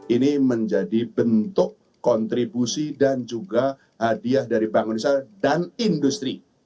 ini menjadi bentuk kontribusi dan juga hadiah dari bank indonesia dan industri